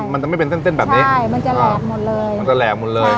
มันจะไม่เป็นเส้นเส้นแบบนี้ใช่มันจะแหลกหมดเลยมันจะแหลกหมดเลย